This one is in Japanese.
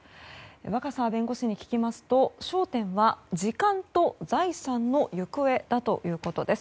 若狭弁護士に聞きますと焦点は時間と財産の行方だということです。